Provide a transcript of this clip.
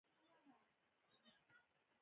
ژوند ښکلی دئ.